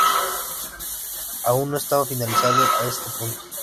Aún no estaba finalizado a este punto.